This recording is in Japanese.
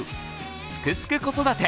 「すくすく子育て」